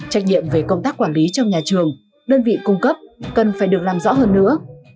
trách nhiệm về công tác quản lý trong nhà trường đơn vị cung cấp cần phải được làm rõ hơn nữa